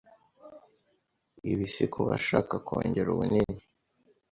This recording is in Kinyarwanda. Ibi si ku bashaka kongera ubunini